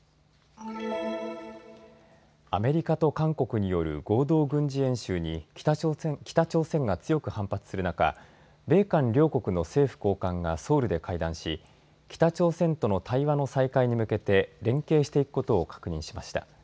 アメリカと韓国による合同軍事演習に北朝鮮が強く反発する中米韓両国の政府高官がソウルで会談し北朝鮮との対話の再開に向けて連携していくことを確認しました。